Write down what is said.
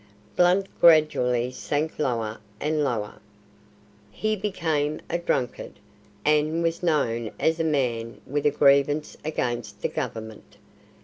Blunt gradually sank lower and lower. He became a drunkard, and was known as a man with a "grievance against the Government".